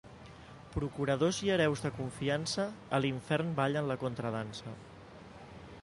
Procuradors i hereus de confiança, a l'infern ballen la contradansa.